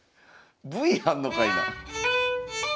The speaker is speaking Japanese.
Ｖあんのかいな！